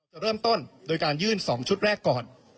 จะเริ่มต้นโดยการยื่น๒ชุดแรกก่อน